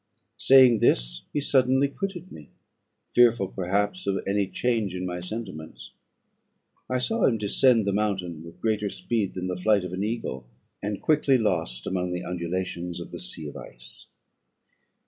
Saying this, he suddenly quitted me, fearful, perhaps, of any change in my sentiments. I saw him descend the mountain with greater speed than the flight of an eagle, and quickly lost among the undulations of the sea of ice.